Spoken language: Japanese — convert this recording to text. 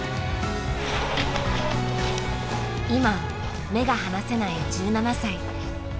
今目が離せない１７歳。